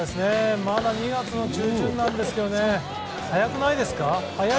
まだ２月の中旬なんですけど速くないですか？